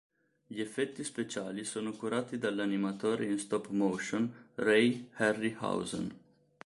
Gli effetti speciali sono curati dall'animatore in stop-motion Ray Harryhausen.